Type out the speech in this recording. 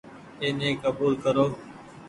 اي ني ڪبول ڪرو ۔